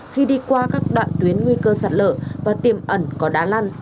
khi đi qua các đoạn tuyến nguy cơ sạt lở và tiềm ẩn có đá lăn